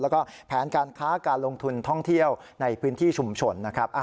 แล้วก็แผนการค้าการลงทุนท่องเที่ยวในพื้นที่ชุมชนนะครับ